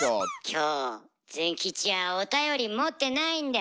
今日ズン吉はおたより持ってないんだよ。